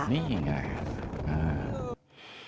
นี่ไง